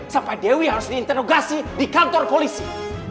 siapa dewi harus diinterogasi di kantor polisi